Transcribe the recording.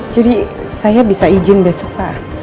jadi saya bisa izin besok pak